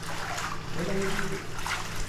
Ben olabilirim.